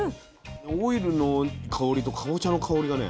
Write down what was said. オイルの香りとかぼちゃの香りがね。